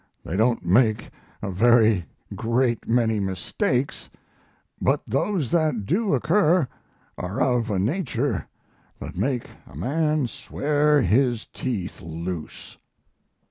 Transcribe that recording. They don't make a very great many mistakes, but those that do occur are of a nature that make a man swear his teeth loose.